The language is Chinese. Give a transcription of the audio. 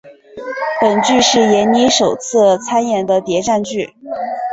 本剧是闫妮首次参演的谍战剧。